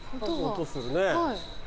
音するね。